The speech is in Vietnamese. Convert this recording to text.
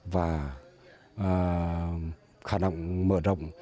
và khả năng mở rộng